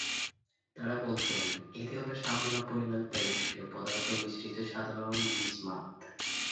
তারা বলতেন, এটি হল সামান্য পরিমাণ তেজস্ক্রিয় পদার্থ মিশ্রিত সাধারণ বিসমাথ।